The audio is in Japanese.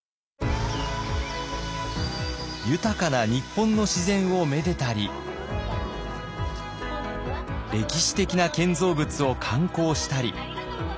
豊かな日本の自然をめでたり歴史的な建造物を観光したり。